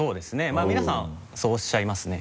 まぁ皆さんそうおっしゃいますね。